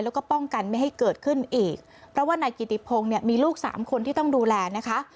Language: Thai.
แล้วก็ป้องกันไม่ให้เกิดขึ้นอีกเพราะว่านายกิติพงศ์เนี่ยมีลูกสามคนที่ต้องดูแลนะคะ